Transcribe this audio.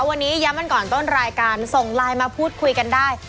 วันนี้ย้ำกันก่อนต้นรายการส่งไลน์มาพูดคุยกันได้